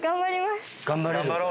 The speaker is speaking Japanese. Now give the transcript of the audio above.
頑張れる？